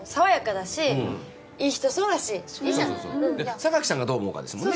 酒木さんがどう思うかですもんね。